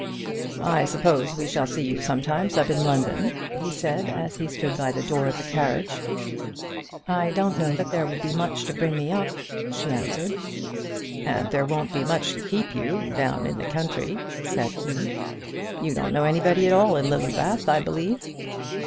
"I suppose we shall see you sometimes up in London?" he said, as he stood by the door of the carriage. "I don't know that there will be much to bring me up," she answered. "And there won't be much to keep you down in the country," said he. "You don't know anybody at Littlebath, I believe?"